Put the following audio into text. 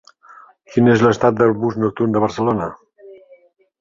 Quin és l'estat del bus nocturn de Barcelona?